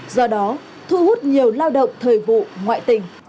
do đó thu hút nhiều lao động thời vụ ngoại tình